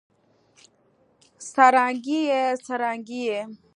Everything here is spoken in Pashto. سرانګې ئې ، څرانګې ئې